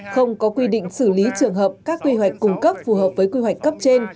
không có quy định xử lý trường hợp các quy hoạch cung cấp phù hợp với quy hoạch cấp trên